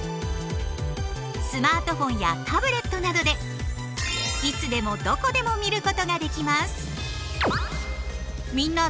スマートフォンやタブレットなどでいつでもどこでも見ることができます。